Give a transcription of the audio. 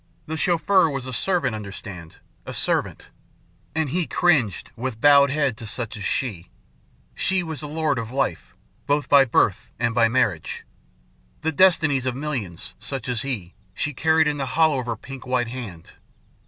The Chauffeur was a servant, understand, a servant. And he cringed, with bowed head, to such as she. She was a lord of life, both by birth and by marriage. The destinies of millions, such as he, she carried in the hollow of her pink white hand.